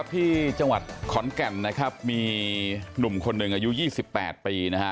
ที่จังหวัดขอนแก่นนะครับมีหนุ่มคนหนึ่งอายุ๒๘ปีนะฮะ